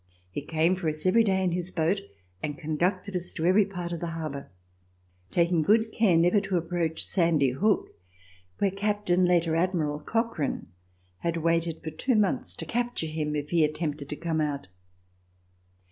He came for us every day in his boat and conducted us to every part of the harbor, taking good care never to approach Sandy Hook where Captain, later Admiral, Cochrane had waited for two months to capture him if he attempted to come out.